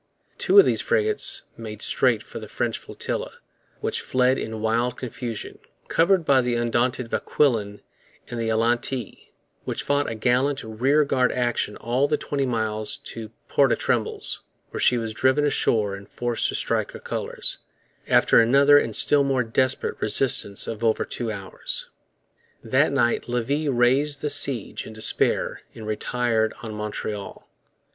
Two of these frigates made straight for the French flotilla, which fled in wild confusion, covered by the undaunted Vauquelin in the Atalante, which fought a gallant rearguard action all the twenty miles to Pointe aux Trembles, where she was driven ashore and forced to strike her colours, after another, and still more desperate, resistance of over two hours. That night Levis raised the siege in despair and retired on Montreal.